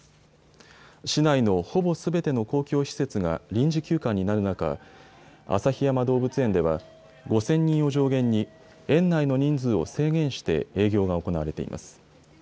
市内のほぼすべての公共施設が臨時休館になる中、旭山動物園では５０００人を上限に園内の人数を制限して営業が行われています。